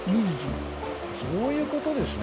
そういうことですね